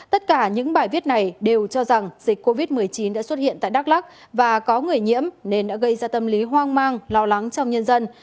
tất cả những bài viết này đều cho rằng dịch covid một mươi chín đã xuất hiện tại đắk lắc và có người nhiễm nên đã gây ra tâm lý hoang mang lo lắng trong nhân dân